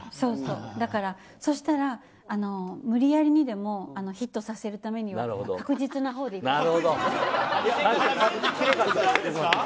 そしたら無理やりにもヒットさせるためには確実なほうでって。